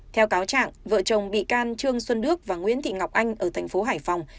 theo cáo trạng vợ chồng bị can trương xuân đước và nguyễn thị ngọc anh ở tp hải phòng